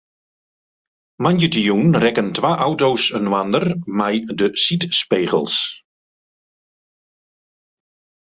Moandeitejûn rekken twa auto's inoar mei de sydspegels.